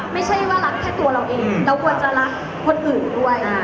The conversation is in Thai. ไม่ใช่ว่ารักแค่ตัวเราเองเราควรจะรักคนอื่นด้วย